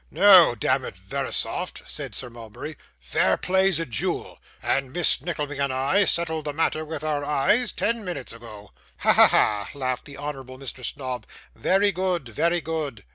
'No, damn it, Verisopht,' said Sir Mulberry, 'fair play's a jewel, and Miss Nickleby and I settled the matter with our eyes ten minutes ago.' 'Ha, ha, ha!' laughed the honourable Mr. Snobb, 'very good, very good.